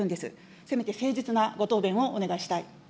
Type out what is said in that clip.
せめて誠実なご答弁をお願いしたい。